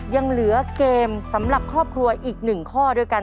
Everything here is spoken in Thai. ยังเหลือเกมสำหรับครอบครัวอีก๑ข้อด้วยกัน